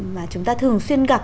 mà chúng ta thường xuyên gặp